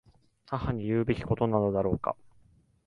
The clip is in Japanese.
母に言うべきことなのだろうか。